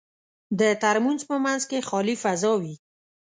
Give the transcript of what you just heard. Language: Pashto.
د ترموز په منځ کې خالي فضا وي.